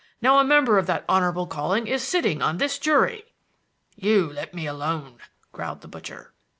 Now a member of that honorable calling is sitting on this jury " "You let me alone," growled the butcher.